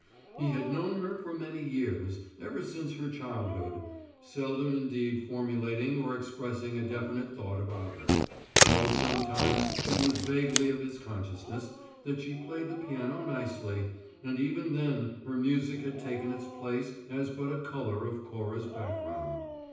He had known her for many years, ever since her childhood; seldom indeed formulating or expressing a definite thought about her, though sometimes it was vaguely of his consciousness that she played the piano nicely, and even then her music had taken its place as but a colour of Cora's background.